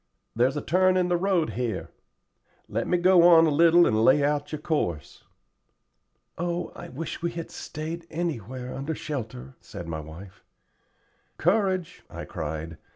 "There's a turn in the road here. Let me go on a little and lay out your course." "Oh, I wish we had stayed anywhere under shelter," said my wife. "Courage," I cried.